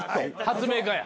発明家や。